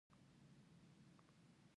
بیا چي کله څراغونه ګل شول، توره شوه.